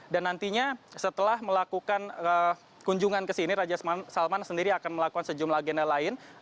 dan nantinya setelah melakukan kunjungan ke sini raja salman sendiri akan melakukan sejumlah agenda lain